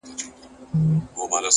اوس سودايي يمه اوس داسې حرکت کومه;